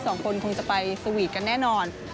สองคนคงจะไปสวีทกันแน่นอน